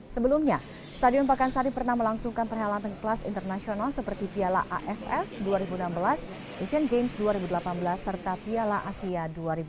sebelumnya stadion pakansari pernah melangsungkan perhelatan kelas internasional seperti piala aff dua ribu enam belas asian games dua ribu delapan belas serta piala asia dua ribu delapan belas